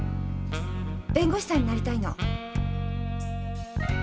弁護士さんになりたいの。